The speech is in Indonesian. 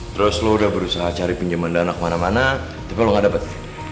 terus lu udah berusaha cari pinjaman dana kemana mana tapi lu gak dapet